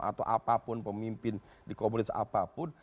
atau apapun pemimpin di komunitas apapun